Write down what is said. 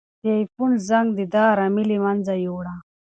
د آیفون زنګ د ده ارامي له منځه یووړه.